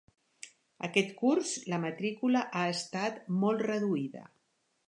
Aquest curs la matrícula ha estat molt reduïda.